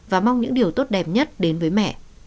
và mong những điều tốt đẹp nhất đến với mẹ